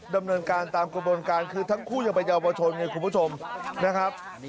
ดำเนินการตามกระบวนการคือทั้งคู่ยังเป็นเยาวชนไงคุณผู้ชมนะครับ